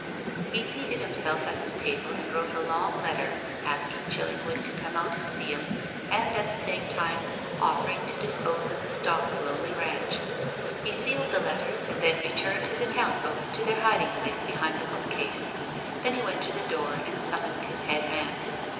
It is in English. He seated himself at his table and wrote a long letter asking Chillingwood to come out and see him, and, at the same time, offering to dispose of the stock of Lonely Ranch. He sealed the letter, and then returned his account books to their hiding place behind the bookcase. Then he went to the door and summoned his head man.